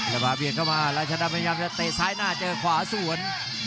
แล้วมาเบียดเข้ามาราชดำพยายามจะเตะซ้ายหน้าเจอขวาสวน